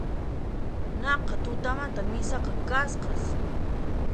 Naqha tutamanta misaqa kasqas